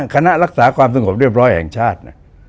คณะรักษาความสงบเรียบร้อยแห่งชาติ